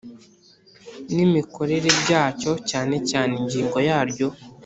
N imikorere byacyo cyane cyane ingingo yaryo